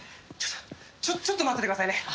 ちょっとちょっと待っててくださいね！